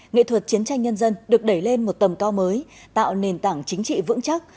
nghệ thuật chiến tranh nhân dân được đẩy lên một tầm cao mới tạo nền tảng chính trị vững chắc